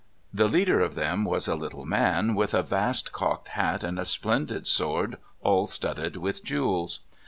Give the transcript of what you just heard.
The leader of them was a little man with a vast cocked hat and a splendid sword all studded with jewels.